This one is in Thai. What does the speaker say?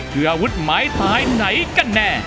เธออาวุธหมายท้ายไหนกันแน่